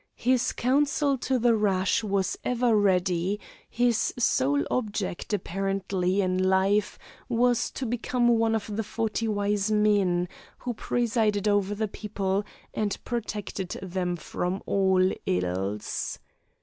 His counsel to the rash was ever ready, his sole object, apparently, in life was to become one of the Forty Wise Men, who presided over the people and protected them from all ills.